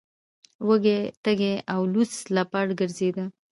وږی تږی او لوڅ لپړ ګرځیده.